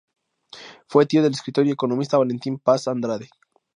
Fue tío del escritor y economista Valentín Paz-Andrade.